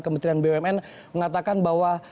kementerian bumn mengatakan bahwa